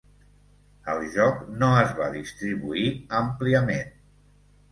El joc no es va distribuir àmpliament.